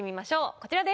こちらです。